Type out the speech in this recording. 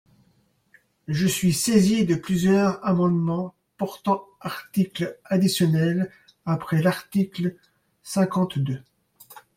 Je suis saisi de plusieurs amendements portant article additionnel après l’article cinquante-deux.